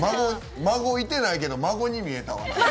孫いてないけど孫に見えたわ。